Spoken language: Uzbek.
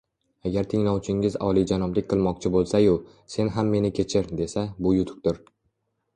Agar tinglovchingiz olijanoblik qilmoqchi bo‘lsa-yu, “Sen ham meni kechir”, desa – bu yutuqdir.